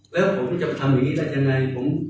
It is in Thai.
แล้วผมจะทำอย่างนี้ได้ยังไง